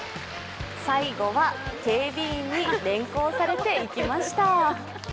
最後は警備員に連行されていきました。